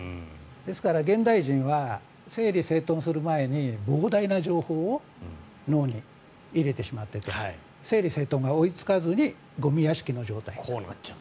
ですから現代人は整理整頓する前に膨大な情報を脳に入れてしまってて整理整頓が追いつかずにゴミ屋敷の状態。